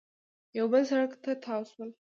یو بل سړک ته تاو شول